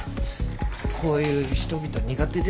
こういう人々苦手です。